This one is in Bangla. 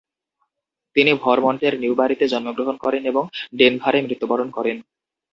তিনি ভারমন্টের নিউবারিতে জন্মগ্রহণ করেন এবং ডেনভারে মৃত্যুবরণ করেন।